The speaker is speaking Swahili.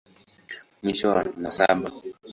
Mwisho wa nasaba.